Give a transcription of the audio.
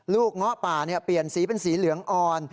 เงาะป่าเปลี่ยนสีเป็นสีเหลืองอ่อน